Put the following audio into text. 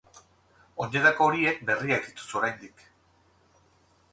Oinetako horiek berriak dituzu oraindik.